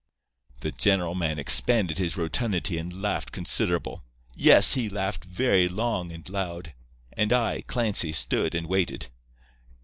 "The general man expanded his rotundity and laughed considerable. Yes, he laughed very long and loud, and I, Clancy, stood and waited.